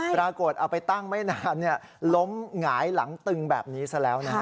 ปรากฏเอาไปตั้งไม่นานล้มหงายหลังตึงแบบนี้ซะแล้วนะฮะ